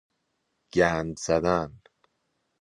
گند زدن